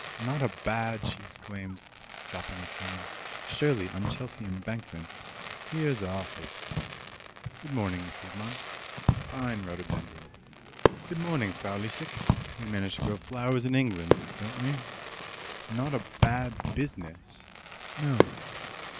"Not a BAD " she exclaimed, dropping his hand. "Surely, on Chelsea Embankment " "Here's our hostess. Good morning, Mrs. Munt. Fine rhododendrons. Good morning, Frau Liesecke; we manage to grow flowers in England, don't we?" "Not a BAD business?" "No.